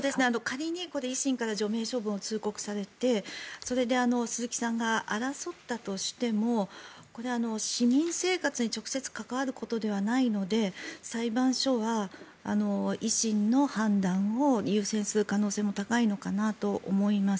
仮に維新から除名処分を通告されてそれで鈴木さんが争ったとしてもこれは市民生活に直接関わることではないので裁判所が維新の判断を優先する可能性も高いのかなとも思います。